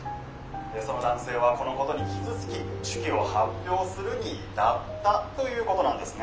その男性はこのことに傷つき手記を発表するに至ったということなんですね」。